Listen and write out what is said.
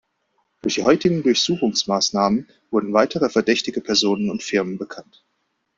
Durch die heutigen Durchsuchungsmaßnahmen wurden weitere verdächtige Personen und Firmen bekannt.